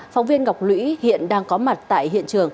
phóng viên ngọc lũy hiện đang có mặt tại hiện trường